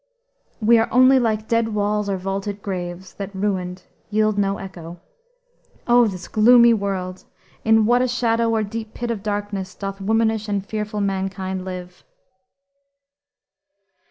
"We are only like dead walls or vaulted graves, That, ruined, yield no echo. O this gloomy world! In what a shadow or deep pit of darkness Doth womanish and fearful mankind live!"